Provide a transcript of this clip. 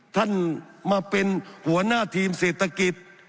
ท่านมาเป็นหัวหน้าทีมเศรษฐกิจ